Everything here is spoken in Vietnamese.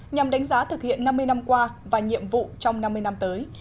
nhằm đánh giá thực hiện năm mươi năm qua và nhiệm vụ trong năm mươi năm tới